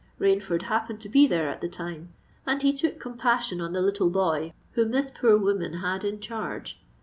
Rainford happened to be there at the time, and he took compassion on the little boy whom this poor woman had in charge.